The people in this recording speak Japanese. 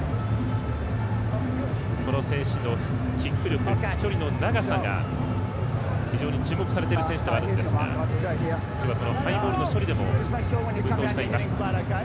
この選手のキック力飛距離の長さが非常に注目されている選手ではあるんですが、今日はハイボールの処理でも奮闘しています。